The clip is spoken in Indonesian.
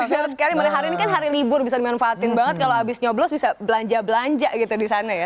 benar sekali hari ini kan hari libur bisa dimanfaatin banget kalau habis nyoblos bisa belanja belanja gitu di sana ya